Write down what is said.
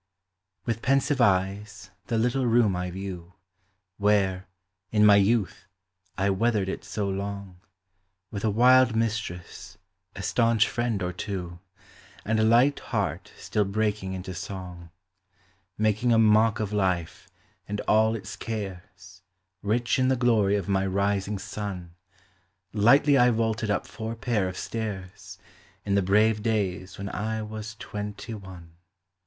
With pensive eyes the little room I view, Where, in my youth, I weathered it so long; With a wild mistress, a stanch friend or two, And a light heart still breaking into song: 24 Digitized by Google 370 POEMS OF FMEXD8H1P. Making a mock of life, and all its cares, Rich in the glory of my rising sun. Lightly I vaulted up four pair of stairs. In the brave days when I was twenty one.